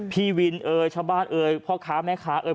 พี่วินเอ่ยชาวบ้านเอ่ยพ่อค้าแม่ค้าเอ่ย